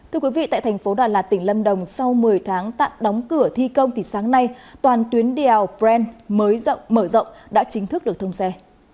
thưa quý vị tại thành phố đà lạt tỉnh lâm đồng sau một mươi tháng tạm đóng cửa thi công thì sáng nay toàn tuyến đèo pren mới mở rộng đã chính thức được thông xe